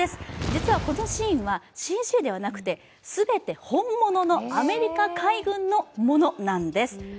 実はこのシーンはＣＧではなくて全て本物のアメリカ海軍のものなんです。